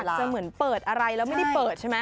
จะเหมือนเปิดอะไรแล้วไม่ได้เปิดใช่ไหม